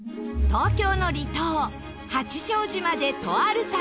東京の離島八丈島でとある旅。